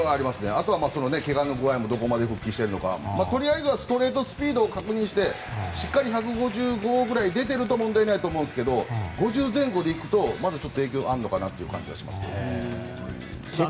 あとは怪我の具合もどこまで復帰しているのかストレートスピードを確認して１５０ｋｍぐらい出ていれば問題ないと思いますが５０前後で行くとまだ影響あるかなという感じはします。